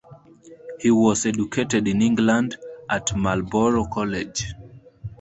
He was educated in England at Marlborough College.